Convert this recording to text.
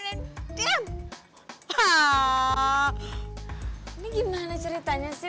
ini gimana ceritanya sih